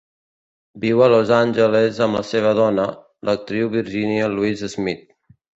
Viu a Los Angeles amb la seva dona, l'actriu Virginia Louise Smith.